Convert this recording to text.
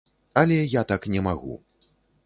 Але я так не магу.